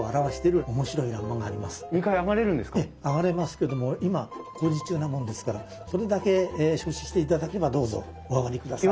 上がれますけども今工事中なもんですからそれだけ承知していただければどうぞお上がりください。